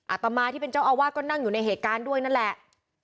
อาตมาที่เป็นเจ้าอาวาสก็นั่งอยู่ในเหตุการณ์ด้วยนั่นแหละ